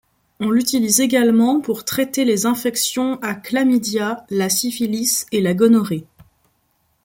On l'utilise également pour traiter les infections à Chlamydia, la syphilis, et la gonorrhée.